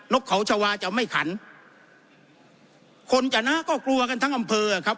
กเขาชาวาจะไม่ขันคนจะนะก็กลัวกันทั้งอำเภออ่ะครับ